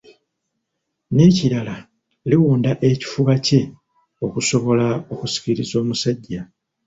Nekirala liwunda ekifuba kye okusobola okusikiriza omusajja.